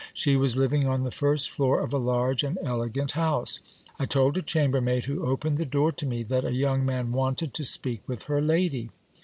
She was living on the first floor of a large and elegant house. I told a chambermaid who opened the door to me, that a young man wanted to speak with her lady.